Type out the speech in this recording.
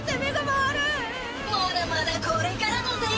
まだまだこれからだぜ！